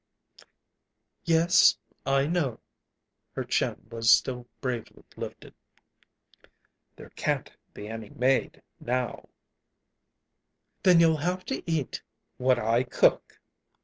"Yes, I know." Her chin was still bravely lifted. "There can't be any maid now." "Then you'll have to eat what I cook!"